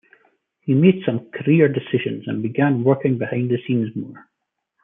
He made some career decisions and began working behind the scenes more.